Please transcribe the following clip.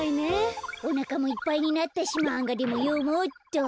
おなかもいっぱいになったしマンガでもよもうっと。